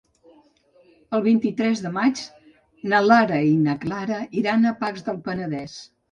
El vint-i-tres de maig na Lara i na Clara iran a Pacs del Penedès.